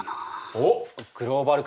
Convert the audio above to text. おっグローバル化だね。